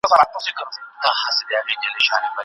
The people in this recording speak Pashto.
مرکز بې نومه معلومات خپاره کړي دي.